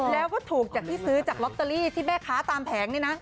แล้วก็ถูกจากที่ซื้อจากลอตเตอรี่ที่แม่ค้าตามแผงนี่นะ